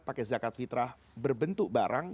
pakai zakat fitrah berbentuk barang